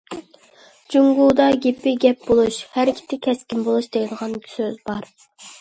جۇڭگودا« گېپى گەپ بولۇش، ھەرىكىتى كەسكىن بولۇش»، دەيدىغان سۆز بار.